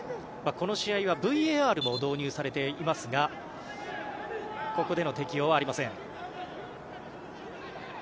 この試合はＶＡＲも導入されていますがここでの適用はありません。